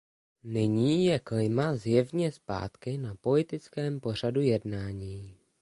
Nyní je klima zjevně zpátky na politickém pořadu jednání.